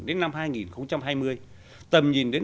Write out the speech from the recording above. đến năm hai nghìn hai mươi tầm nhìn đến